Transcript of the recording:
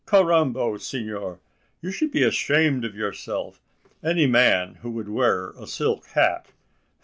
"Carrambo, senor! you should be ashamed of yourself. Any man who would wear a silk hat!